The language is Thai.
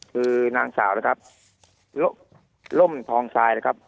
คือนางสาวนะครับล่มทองทรายนะครับ